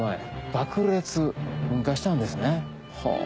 爆裂噴火したんですね。